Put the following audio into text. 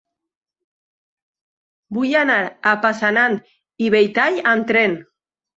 Vull anar a Passanant i Belltall amb tren.